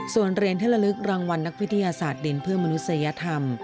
ส่วนเหรียญที่ละลึกรางวัลนักวิทยาศาสตร์ดินเพื่อมนุษยธรรม